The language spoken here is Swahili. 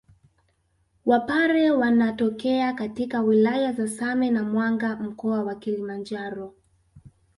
Wapare wanatokea katika wilaya za Same na Mwanga mkoa wa Kilimanjaro